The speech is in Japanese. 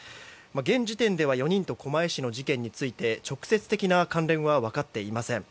現時点では４人と狛江市の事件について直接的な関連はわかっていません。